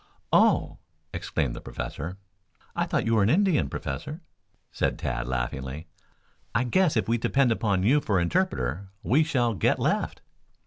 "Oh!" exclaimed the Professor. "I thought you were an Indian, Professor?" said Tad laughingly. "I guess if we depend upon you for interpreter we shall get left."